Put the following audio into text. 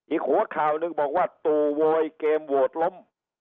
อีกหัวข่าวหนึ่งบอกว่าตู่โวยเกมโหวตล้ม